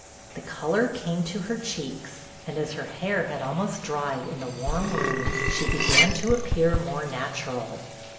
The color came to her cheeks, and, as her hair had almost dried in the warm room, she began to appear more natural.